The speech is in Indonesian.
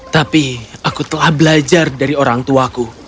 tapi aku telah belajar dari orangtuaku